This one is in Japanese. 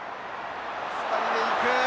２人で行く。